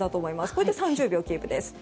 これで３０秒キープです。